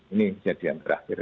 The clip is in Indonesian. ini kejadian terakhir